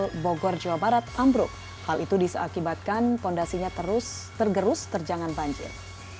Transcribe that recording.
jembatan ini juga terjadi di jawa barat dan conggol bogor jawa barat ambruk hal itu diseakibatkan fondasinya terus tergerus terjangan banjir